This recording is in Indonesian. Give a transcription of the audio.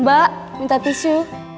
mbak minta tisu